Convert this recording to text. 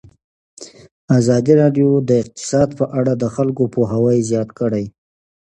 ازادي راډیو د اقتصاد په اړه د خلکو پوهاوی زیات کړی.